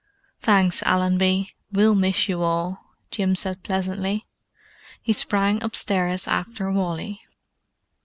"Thanks, Allenby. We'll miss you all," Jim said pleasantly. He sprang upstairs after Wally.